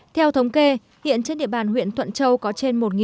theo thống kê hiện trên địa bàn huyện thuận châu có trên